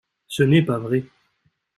Ce n’est pas vrai.